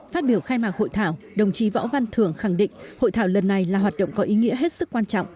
phát biểu khai mạc hội thảo đồng chí võ văn thường khẳng định hội thảo lần này là hoạt động có ý nghĩa hết sức quan trọng